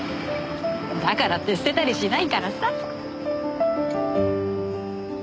だからって捨てたりしないからさ。